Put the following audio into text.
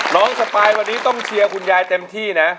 สปายวันนี้ต้องเชียร์คุณยายเต็มที่นะ